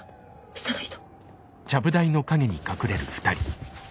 下の人？